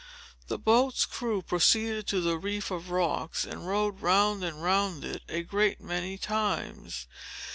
The boat's crew proceeded to the reef of rocks, and rowed round and round it, a great many times.